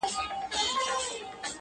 خلک زده کوي چي خبري لږې او فکر ډېر کړي,